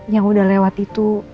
yang udah lewat itu